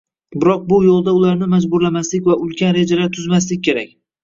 biroq bu yo‘lda ularni majburlamaslik va ulkan rejalar tuzmaslik kerak.